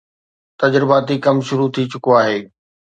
تجرباتي ڪم شروع ٿي چڪو آهي